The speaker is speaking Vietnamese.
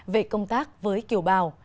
về công tác với kiều bào